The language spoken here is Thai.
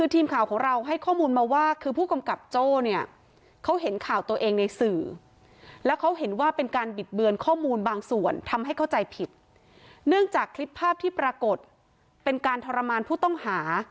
ทำให้เข้าใจผิดเนื่องจากคลิปภาพที่ปรากฏเป็นการทรมานผู้ต้องหา